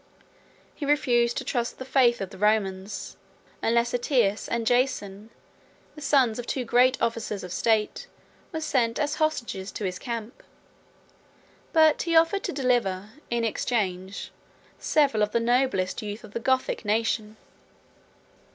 He refused to trust the faith of the Romans, unless Ætius and Jason, the sons of two great officers of state, were sent as hostages to his camp; but he offered to deliver, in exchange, several of the noblest youths of the Gothic nation.